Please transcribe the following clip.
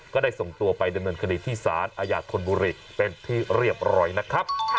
ก็ได้ส่งตัวไปดำเนินคดีที่สารอาญาธนบุรีเป็นที่เรียบร้อยนะครับ